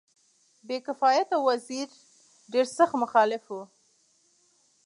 بې کفایته وزیر ډېر سخت مخالف وو.